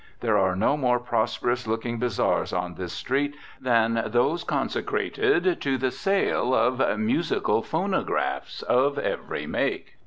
There are no more prosperous looking bazaars on this street than those consecrated to the sale of "musical phonographs" of every make.